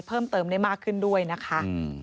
เพิ่มเติมได้มากขึ้นด้วยนะคะ